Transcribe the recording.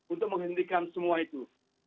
untuk menghentikan semua itu